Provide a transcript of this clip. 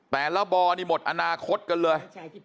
แต่ละบ่อนี่หมดอนาคตกันเลย